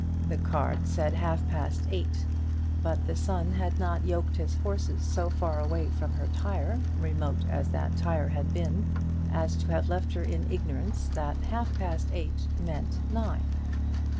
The card said half past eight; but the Sun had not yoked his horses so far away from her Tyre, remote as that Tyre had been, as to have left her in ignorance that half past eight meant nine.